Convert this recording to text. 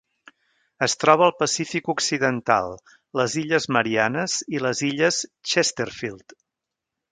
Es troba al Pacífic occidental: les Illes Mariannes i les Illes Chesterfield.